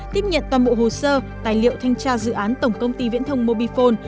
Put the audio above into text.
tiếp nhận toàn bộ hồ sơ tài liệu thanh tra dự án tổng công ty viễn thông mobifone